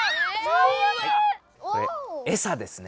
これエサですね。